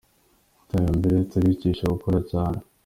iterambere turikisha gukora cyane.